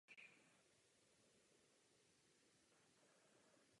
Proto se účastním kampaně Bílá stuha.